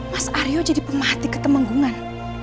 mas aryo jadi pemahati ketemenggungan